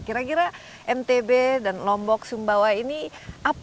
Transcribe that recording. kira kira ntb dan lombok sumbawa ini apa